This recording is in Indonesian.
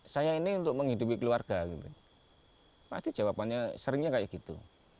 saya ini untuk menghidupi keluarga pasti jawabannya seringnya kayak gitu